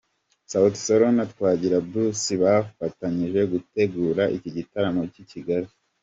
Sauti Sol na Twagira Bruce wabafashije gutegura iki gitaramo cy'i Kigali.